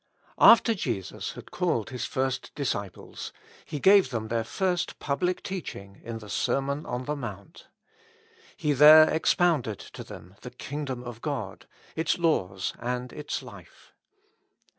AFTER Jesus had called His first disciples, He gave them their first public teaching in the Sermon on the ]\Iount. He there expounded to them the kingdom of God, its laws and its life.